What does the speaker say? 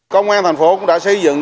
công an thành phố đã xây dựng